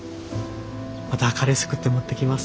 またカレー作って持ってきます。